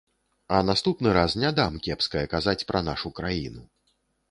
А наступны раз не дам кепскае казаць пра нашу краіну.